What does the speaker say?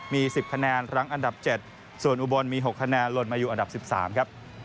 มี๑๐คะแนนรั้งอันดับ๗ส่วนอุบลมี๖คะแนนหล่นมาอยู่อันดับ๑๓ครับ